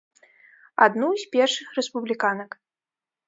Адну з першых рэспубліканак.